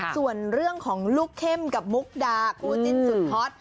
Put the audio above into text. ส่วนเรื่องของลูกเข้มกับมุกดาคู่จิ้นสุดฮอต